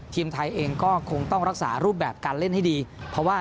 ทีมไทยเองก็คงต้องรักษารูปแบบการเล่นให้ดีเพราะว่า